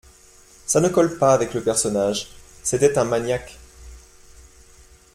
ça ne colle pas avec le personnage. C’était un maniaque.